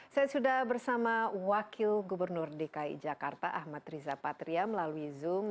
saya sudah bersama wakil gubernur dki jakarta ahmad riza patria melalui zoom